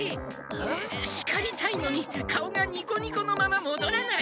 しかりたいのに顔がニコニコのままもどらない。